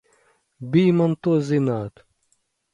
Bij man to zināt!